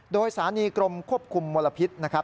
โดยสถานีกรมควบคุมมลพิษนะครับ